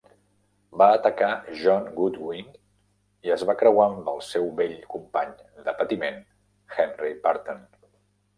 Va atacar John Goodwin i es va creuar amb el seu vell company de patiment, Henry Burton.